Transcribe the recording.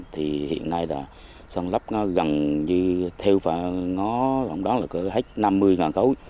thì hiện nay là sân lấp nó gần như theo và ngó lòng đó là cửa hách năm mươi khối